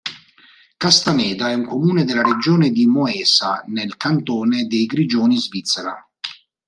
Castaneda è un comune della regione di Moesa, nel cantone dei Grigioni in Svizzera.